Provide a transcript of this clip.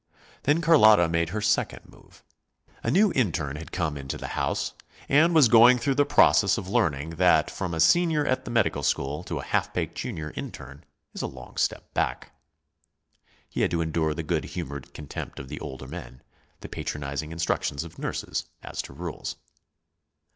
Then Carlotta made her second move. A new interne had come into the house, and was going through the process of learning that from a senior at the medical school to a half baked junior interne is a long step back. He had to endure the good humored contempt of the older men, the patronizing instructions of nurses as to rules.